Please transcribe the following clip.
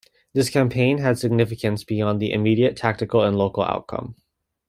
This campaign had significance beyond the immediate tactical and local outcome.